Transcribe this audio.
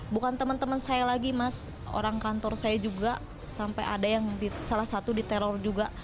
bukan teman teman saya lagi mas orang kantor saya juga sampai ada yang salah satu diteror juga